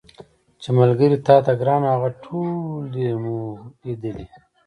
چي ملګري تاته ګران وه هغه ټول دي زمولېدلي